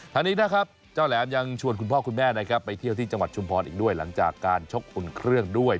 ทางนี้นะครับเจ้าแหลมยังชวนคุณพ่อคุณแม่นะครับไปเที่ยวที่จังหวัดชุมพรอีกด้วยหลังจากการชกอุ่นเครื่องด้วย